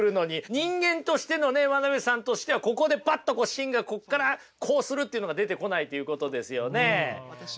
人間としてのね真鍋さんとしてはここでパッとこう芯がここからこうするっていうのが出てこないということですよね。